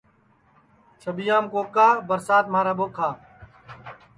چھٻِیام کوکا برسات مھارا ٻوکھا